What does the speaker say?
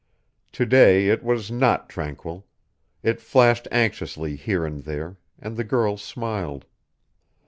To day it was not tranquil; it flashed anxiously here and there, and the girl smiled.